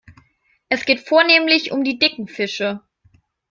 Es geht vornehmlich um die dicken Fische.